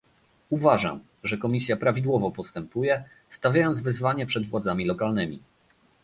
Uważam, że komisja prawidłowo postępuje, stawiając wyzwanie przed władzami lokalnymi